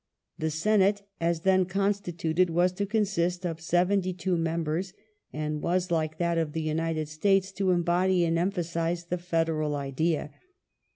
The Senate, as then constituted, was to consist of seventy two members, and was, like that of the United States, to embody and emphasize the federal idea.